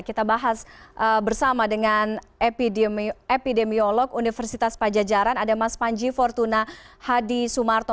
kita bahas bersama dengan epidemiolog universitas pajajaran ada mas panji fortuna hadi sumarto